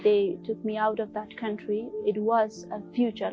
mimpi untuk mengeluarkan saya dari negara itu